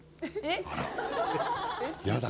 あらっやだ